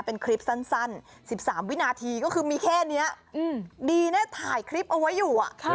เป็นคลิปสั้น๑๓วินาทีก็คือมีแค่นี้ดีนะถ่ายคลิปเอาไว้อยู่